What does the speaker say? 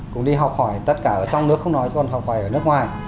cũng đi học hỏi tất cả ở trong nước không nói còn học hỏi ở nước ngoài